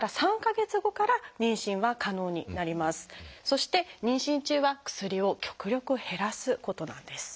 そして妊娠中は薬を極力減らすことなんです。